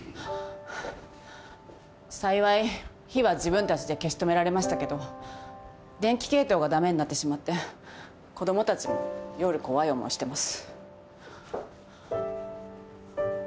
幸い火は自分たちで消し止められましたけど電気系統が駄目になってしまって子供たちも夜怖い思いしてます。